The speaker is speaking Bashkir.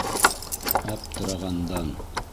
Аптырағандан: